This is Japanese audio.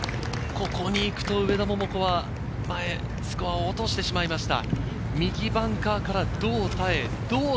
ここに行くと上田桃子はスコアを落としてしまいました。